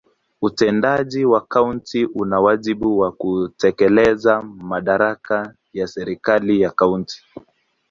Utendaji wa kaunti una wajibu wa kutekeleza madaraka ya serikali ya kaunti.